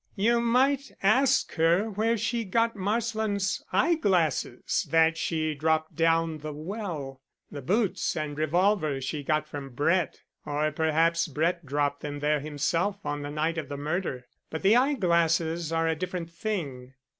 "You might ask her where she got Marsland's eyeglasses that she dropped down the well. The boots and revolver she got from Brett or perhaps Brett dropped them there himself on the night of the murder. But the eyeglasses are a different thing."